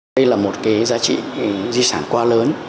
đây là một cái giá trị di sản quá lớn